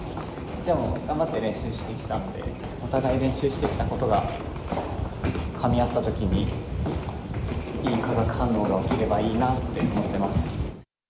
でも頑張って練習してきたので、お互い練習してきたことがかみ合ったときに、いい化学反応が起きればいいなと思ってます。